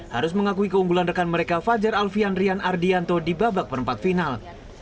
harus mengakui keunggulan rekan mereka fajar alfian rian ardianto di babak perempat final